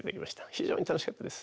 非常に楽しかったです。